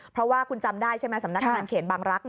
เพราะว่าคุณจำได้ใช่ไหมสำนักงานเขตบางรัก